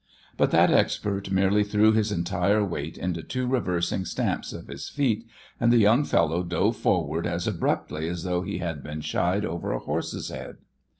But that expert merely threw his entire weight into two reversing stamps of his feet, and the young fellow dove forward as abruptly as though he had been shied over a horse's head.